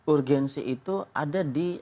urgensi itu ada di